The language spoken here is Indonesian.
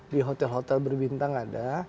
di hotel hotel berbintang ada